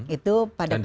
itu pada posisi